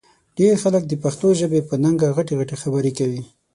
ډېر خلک د پښتو ژبې په ننګه غټې غټې خبرې کوي